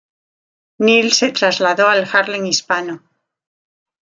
Neel se trasladó al Harlem Hispano.